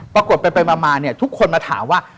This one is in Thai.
ปรากฏไปมาทุกคนมาถามว่า